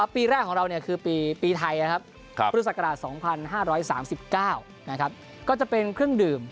ปีแรกของเราคือปีไทยพุทธศักราช๒๕๓๙ก็จะเป็นเครื่องดื่ม